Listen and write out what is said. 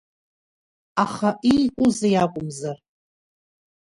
Аха, иикузеи акәымзар…